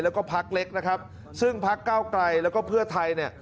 แล้วก็พักเล็กนะครับซึ่งพักเก้าไกลแล้วก็เพื่อไทยเนี่ย